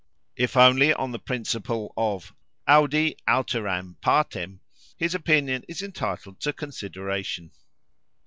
If only on the principle audi alteram partem, his opinion is entitled to consideration.